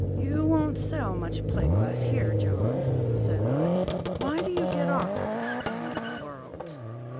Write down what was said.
"You won't sell much plate glass here, John," said I. "Why do you get off at this end o' the world?"